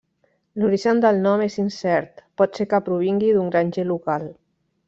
L'origen del nom és incert; pot ser que provingui d'un granger local.